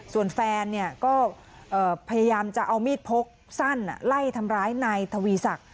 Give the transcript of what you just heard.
ส่วนแฟนก็พยายามจะเอามีดพกสั้นไล่ทำร้ายนายทวีศักดิ